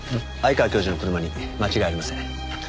鮎川教授の車に間違いありません。